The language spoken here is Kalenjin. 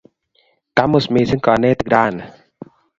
Kamus missing' kanetik rani.